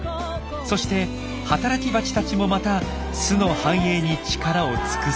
そして働きバチたちもまた巣の繁栄に力を尽くす。